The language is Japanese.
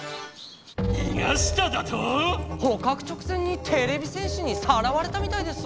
にがしただと⁉ほかく直前にてれび戦士にさらわれたみたいです。